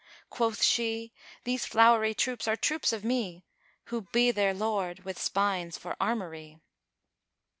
Quoth she, 'These flowery troops are troops of me * Who be their lord with spines for armoury.'"